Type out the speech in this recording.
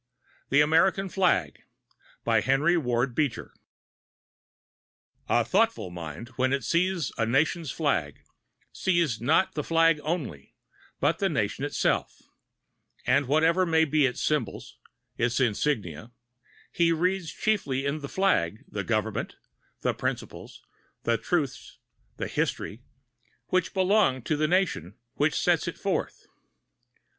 THE AMERICAN FLAG Henry Ward Beecher A thoughtful mind, when it sees a nation's flag, sees not the flag only, but the nation itself; and whatever may be its symbols, its insignia, he reads chiefly in the flag the government, the principles, the truths, the history, which belong to the nation which sets it forth.